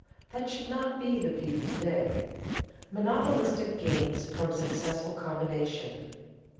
That should not be the view to day. [Sidenote: Monopolistic gains from successful combination] 3.